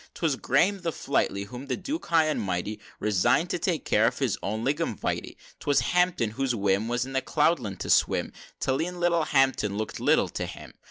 XVII. 'Twas Graham the flighty, Whom the Duke high and mighty Resign'd to take care of his own lignum vitæ; 'Twas Hampton, whose whim Was in Cloudland to swim, Till e'en Little Hampton looked little to him!